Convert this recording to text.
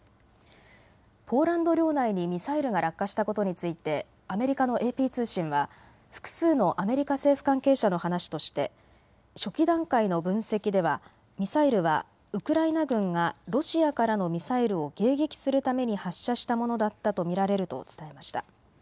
ポーランド領内にミサイルが落下したことについてアメリカのＡＰ通信は複数のアメリカ政府関係者の話として初期段階の分析ではミサイルはウクライナ軍がロシアからのミサイルを迎撃するために発射したものだったと見られると伝えました。